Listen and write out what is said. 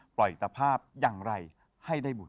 ตภาพอย่างไรให้ได้บุญ